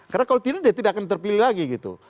karena kalau tidak dia tidak akan terpilih lagi gitu